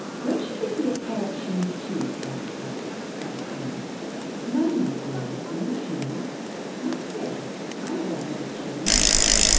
"Won't you give me a pair of shoes too, grand mother ?" said The Golden Key 185 "No, my dear; no shoes. Look here. I wear no shoes."